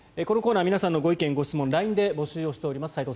このコーナー皆さんのご意見・ご質問をＬＩＮＥで募集しております。